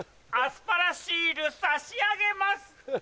アスパラシール差し上げます！